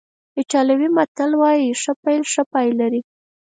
ایټالوي متل وایي ښه پیل ښه پای لري.